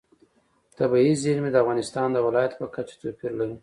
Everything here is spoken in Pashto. طبیعي زیرمې د افغانستان د ولایاتو په کچه توپیر لري.